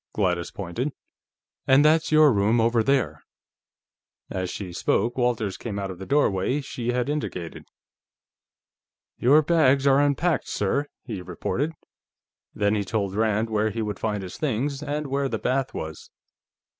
Gladys pointed. "And that's your room, over there." As she spoke, Walters came out of the doorway she had indicated. "Your bags are unpacked, sir," he reported. Then he told Rand where he would find his things, and where the bath was.